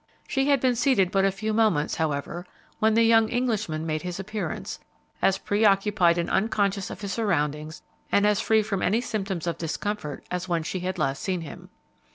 She had been seated but a few moments, however, when the young Englishman made his appearance, as preoccupied and unconscious of his surroundings and as free from any symptoms of discomfort as when she had last seen him.